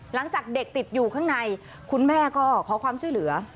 หลังจากเด็กติดอยู่ข้างในคุณแม่ก็ขอความช่วยเหลือ